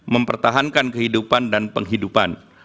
mempertahankan kehidupan dan penghidupan